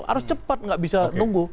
harus cepat nggak bisa nunggu